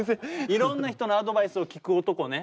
いろんな人のアドバイスを聞く男ね。